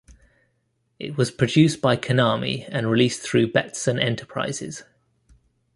It was produced by Konami and released through Betson Enterprises.